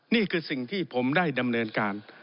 นี่คือสิ่งที่ผมได้ดำเนินการ